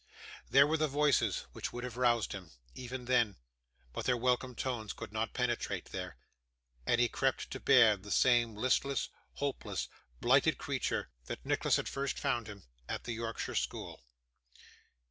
There were voices which would have roused him, even then; but their welcome tones could not penetrate there; and he crept to bed the same listless, hopeless, blighted creature, that Nicholas had first found him at the Yorkshire school.